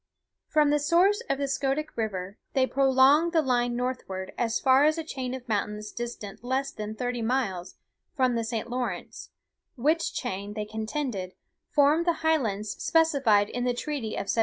From the source of the Scoodic river, they prolonged the line northward, as far as a chain of mountains distant less than thirty miles from the St. Lawrence; which chain, they contended, formed the highlands specified in the treaty of 1783.